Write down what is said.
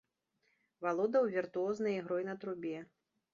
Валодаў віртуознай ігрой на трубе.